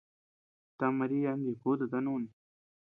Ta Maria dikututa nuni.